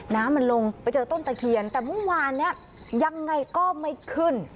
น้ำมันลงไปเจอต้นตะเคียนแต่เมื่อวานเนี่ยยังไงก็ไม่ขึ้น